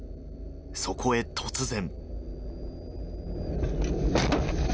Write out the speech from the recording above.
そこへ突然。